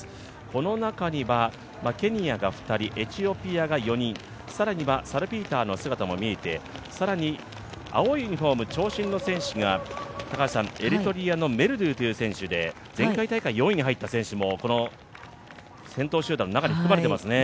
この中には、ケニアが２人エチオピアが４人、更にはサルピーターの姿も見えて、更に、青いユニフォーム長身の選手が、エリトリアのメルドゥという選手で前回大会４位に入った選手もこの先頭集団の中に含まれていますね。